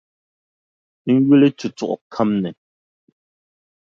N yuli tutuɣu kam ni.